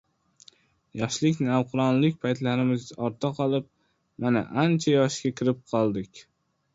Yoshlik, navqironlik paytlarimiz ortda qolib, mana ancha yoshga kirib qoldik